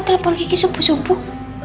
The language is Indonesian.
telepon kiki subuh subuh